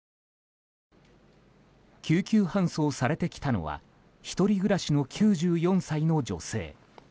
救急搬送されてきたのは１人暮らしの９４歳の女性。